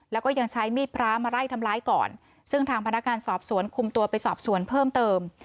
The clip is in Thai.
แล้วก็ยังใช้มีดพระมาไล่ทำร้ายก่อนซึ่งทางพนักงานสอบสวนคุมตัวไปสอบสวนเพิ่มเติม